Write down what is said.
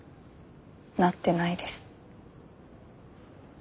なってないです。